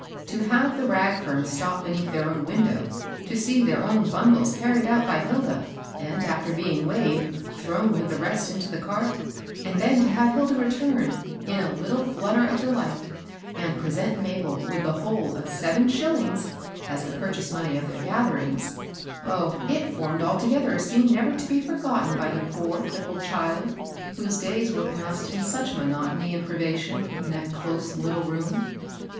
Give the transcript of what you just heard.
To have the rag firm stop beneath their own window, to see their own bundles car ried out by Hilda, and, after being weighed, thrown with the rest into the cart ; and then to have Hilda return, in a little flutter of delight, and present Mabel with the whole of seven shillings as the purchase money of their gatherings, — oh I it formed altoge&er a scene never to be forgotten by the poor, crippled child, whose days were passed in such monotony and privation in that close little room.